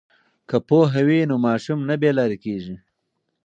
که پوهه وي نو ماشوم نه بې لارې کیږي.